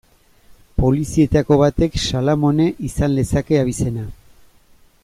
Polizietako batek Salamone izan lezake abizena.